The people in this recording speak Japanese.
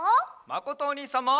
まことおにいさんも！